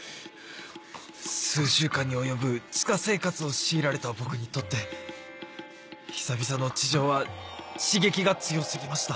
数週間に及ぶ地下生活を強いられた僕にとって久々の地上は刺激が強過ぎました